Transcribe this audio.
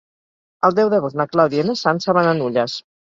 El deu d'agost na Clàudia i na Sança van a Nulles.